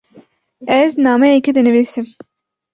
Ez nameyekê dinivîsim.